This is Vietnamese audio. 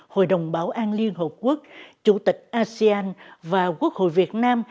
hội đồng bảo an liên hợp quốc chủ tịch asean và quốc hội việt nam